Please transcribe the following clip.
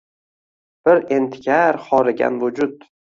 Bir entikar xorigan vujud